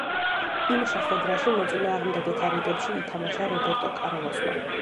იმ შეხვედრაში, მოწინააღმდეგეთა რიგებში ითამაშა რობერტო კარლოსმა.